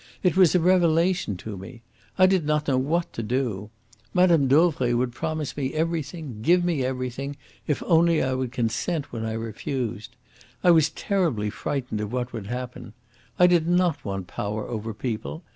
It was a revelation to me. I did not know what to do. Mme. Dauvray would promise me everything, give me everything, if only I would consent when I refused. I was terribly frightened of what would happen. I did not want power over people.